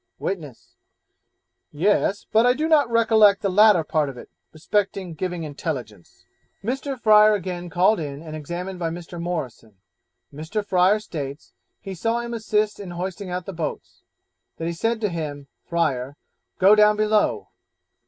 Witness 'Yes, but I do not recollect the latter part of it, respecting giving intelligence.' Mr. Fryer again called in and examined by Mr. Morrison. Mr. Fryer states, he saw him assist in hoisting out the boats; that he said to him (Fryer), 'Go down below.'